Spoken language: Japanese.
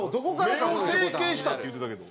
目を整形したって言うてたけど。